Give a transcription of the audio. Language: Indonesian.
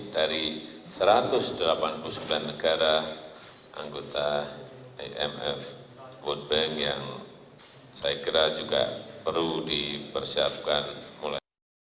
dari satu ratus delapan puluh sembilan negara anggota imf world bank yang saya kira juga perlu dipersiapkan mulai